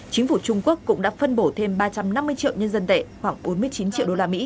chính phủ trung quốc cũng đã phân bổ thêm ba trăm năm mươi triệu nhân dân tệ khoảng bốn mươi chín triệu usd